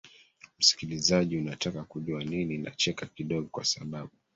msikilizaji unataka kujua nini nacheka kidogo kwa sababu